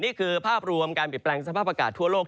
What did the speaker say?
นี่คือภาพรวมการเปลี่ยนแปลงสภาพอากาศทั่วโลก